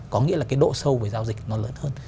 có nghĩa là cái độ sâu về giao dịch nó lớn hơn